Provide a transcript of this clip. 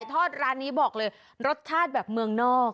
ทอดร้านนี้บอกเลยรสชาติแบบเมืองนอก